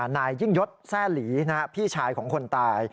นายยิ่งยศแซ่หลีพี่ชายของคนตาย